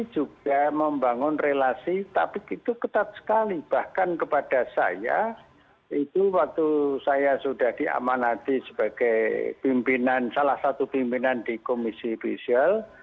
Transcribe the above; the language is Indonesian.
juga membangun relasi tapi itu ketat sekali bahkan kepada saya itu waktu saya sudah diamanati sebagai pimpinan salah satu pimpinan di komisi judisial